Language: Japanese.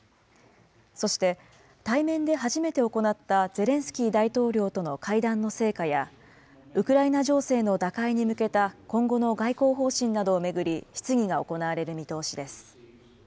そして、対面で初めて行ったゼレンスキー大統領との会談の成果や、ウクライナ情勢の打開に向けた今後の外交方針などを巡り、質疑が行われる見通しです。